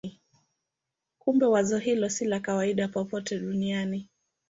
Kumbe wazo hilo si la kawaida popote duniani.